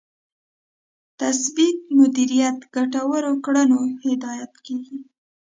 تثبیت مدیریت ګټورو کړنو هدایت کېږي.